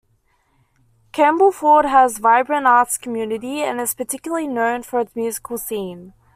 Campbellford has a vibrant arts community, and is particularly known for its musical scene.